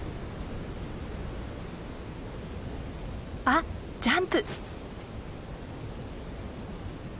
あっジャンプ！